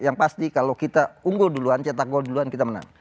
yang pasti kalau kita unggul duluan cetak gol duluan kita menang